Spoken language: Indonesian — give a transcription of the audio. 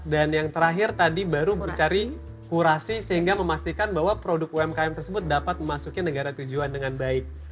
dan yang terakhir tadi baru mencari kurasi sehingga memastikan bahwa produk umkm tersebut dapat memasuki negara tujuan dengan baik